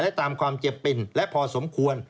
และตามความเจ็บปิ่นและพอสมควร